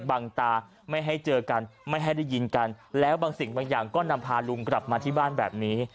บังตาไม่ให้เจอกันไม่ให้ได้ยินกันแล้วบางสิ่งบางอย่างก็นำพาลุงกลับมาที่บ้านแบบนี้